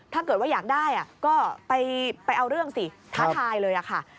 ถ้าเกิดว่าอยากได้ก็ไปเอาเรื่องสิท้าทายเลยค่ะ